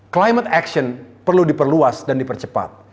climate action perlu diperluas dan dipercepat